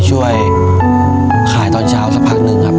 ช่วยขายตอนเช้าสักพักหนึ่งครับ